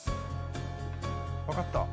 わかった。